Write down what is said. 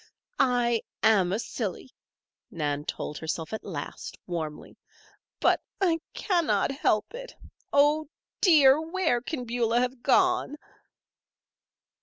"I am a silly," Nan told herself at last, warmly. "But I cannot help it. Oh, dear! Where can Beulah have gone?"